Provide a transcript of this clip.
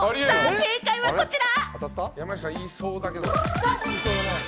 正解はこちら。